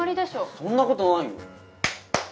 そんな事ないよ。